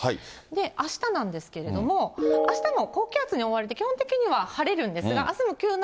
あしたなんですけれども、あしたも高気圧に覆われて、基本的には晴れるんですが、あすも急な